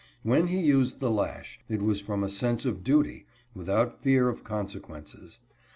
When he used the lash, it was from a sense of duty, without fear of consequences.